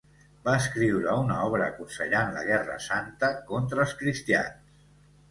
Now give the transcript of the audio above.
Va escriure una obra aconsellant la guerra santa contra els cristians.